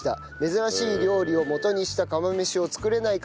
「珍しい料理をもとにした釜飯を作れないかと考え